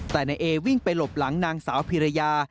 แต่นายเอวิ่งไปหลบหลังนางสาวพิรยา